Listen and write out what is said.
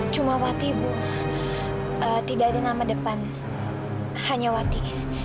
cuma wati bu tidak ada nama depan hanya wati